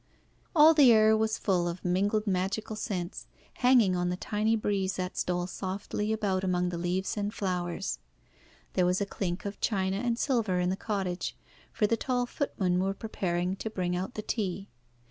All the air was full of mingled magical scents, hanging on the tiny breeze that stole softly about among the leaves and flowers. There was a clink of china and silver in the cottage, for the tall footmen were preparing to bring out the tea.